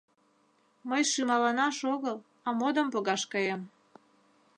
— Мый шӱмаланаш огыл, а модым погаш каем.